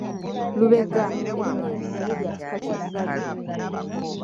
Lubega, erinnya lino nalyo lya kika kya Ngabi.